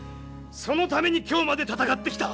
そのために今日まで戦ってきた。